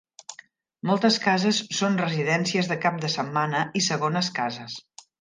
Moltes cases són residències de cap de setmana i segones cases.